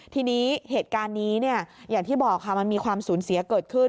ทีนี้เหตุการณ์นี้อย่างที่บอกค่ะมันมีความสูญเสียเกิดขึ้น